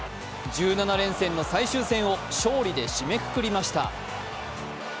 １７連戦の最終戦を勝利で締めくくりました。